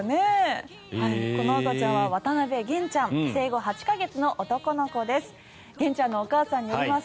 この赤ちゃんは渡部玄ちゃん生後８か月の男の子です。